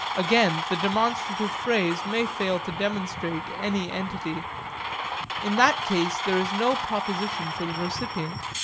Again the demonstrative phrase may fail to demonstrate any entity. In that case there is no proposition for the recipient.